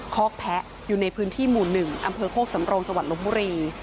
คอกแพะอยู่ในพื้นที่หมู่๑อำเภอโคกสำโรงจังหวัดลบบุรี